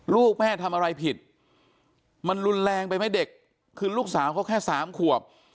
ลูกแม่ทำอะไรผิดมันรุนแรงไปไหมเด็กคือลูกสาวเขาแค่สามขวบ